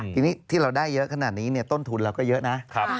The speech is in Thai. ทีนี้ที่เราได้เยอะขนาดนี้ต้นทุนเราก็เยอะนะ